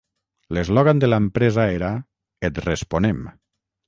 L'eslògan de l'empresa era "Et responem".